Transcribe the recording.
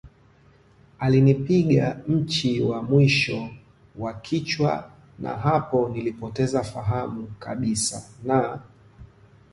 Alinipiga mchi wa mwisho wa kichwa na hapo nilipoteza fahamu kabisa na